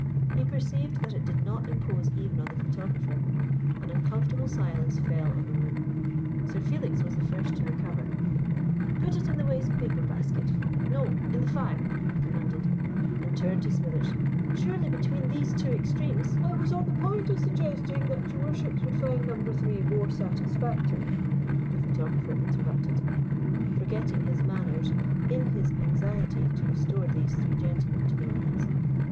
He perceived that it did not impose even on the photographer. An uncomfortable silence fell on the room. Sir Felix was the first to recover. "Put it in the waste paper basket: no, in the fire!" he commanded, and turned to Smithers. "Surely between these two extremes " "I was on the point of suggesting that your Worships would find No. 3 more satisfactory," the photographer interrupted, forgetting his manners in his anxiety to restore these three gentlemen to their ease.